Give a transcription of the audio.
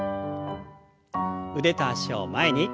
腕と脚を前に。